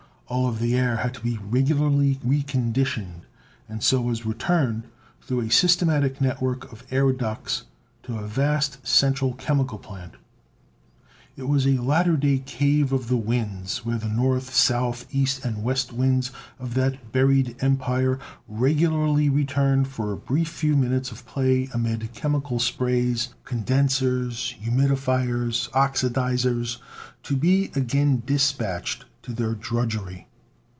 All of the air had to be regularly reconditioned, and so was returned, through a systematic network of air ducts, to a vast, central chemical plant. It was a latter day Cave of the Winds, where the north, south, east and west winds of that buried empire regularly returned for a brief few minutes of play amid chemical sprays, condensers, humidifiers, oxydisers, to be again dispatched to their drudgery.